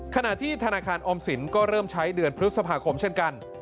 ขณะที่ธนาคารออมสินก็เริ่มใช้เดือนพฤษภาคมเช่นกัน